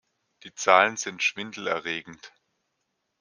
Die Zahlen sind schwindelerregend.